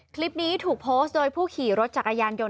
คลิปนี้ถูกโพสต์โดยผู้ขี่รถจักรยานยนต